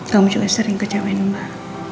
kamu juga sering kecewain mbak